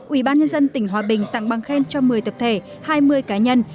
ủy ban nhân dân tỉnh hòa bình tặng bằng khen cho một mươi tập thể hai mươi cá nhân